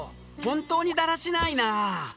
本当にだらしないな。